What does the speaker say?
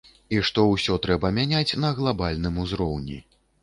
І што ўсё трэба мяняць на глабальным узроўні.